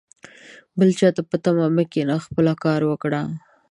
بل چاته په تمه مه کښېنه ، خپله کار وکړه